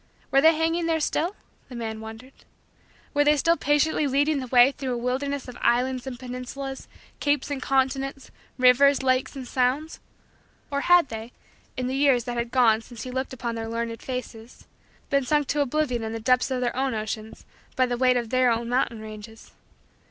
Were they hanging there still? the man wondered. Were they still patiently leading the way through a wilderness of islands and peninsulas, capes and continents, rivers, lakes, and sounds? Or had they, in the years that had gone since he looked upon their learned faces, been sunk to oblivion in the depths of their own oceans by the weight of their own mountain ranges?